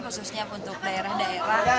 khususnya untuk daerah daerah